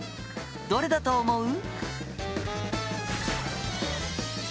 どれだと思う？